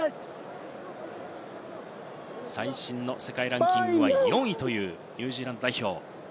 最新の世界ランキングは４位というニュージーランド代表。